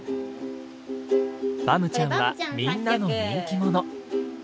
バムちゃんはみんなの人気者。